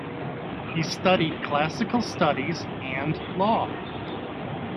He studied classical studies and law.